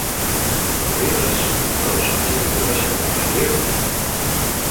"Raivas" are also a typical biscuit of Aveiro.